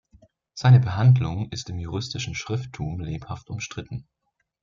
Seine Behandlung ist im juristischen Schrifttum lebhaft umstritten.